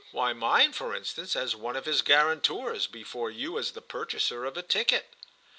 "Why mine, for instance, as one of his guarantors, before you as the purchaser of a ticket."